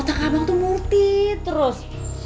otak abang tuh murti terus